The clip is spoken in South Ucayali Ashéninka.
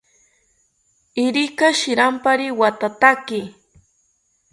Irika shirampari wathataki